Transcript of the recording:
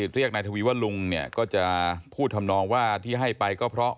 เรียกนายทวีว่าลุงเนี่ยก็จะพูดทำนองว่าที่ให้ไปก็เพราะ